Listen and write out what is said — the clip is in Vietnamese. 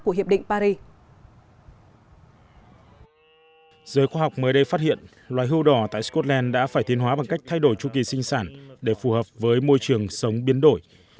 khi đấy phát hiện loài hưu đỏ tại scotland đã phải tiến hóa bằng cách thay đổi chung kỳ sinh sản để phù hợp với môi trường sống biến đổi